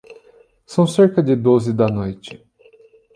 São cerca de doze da noite.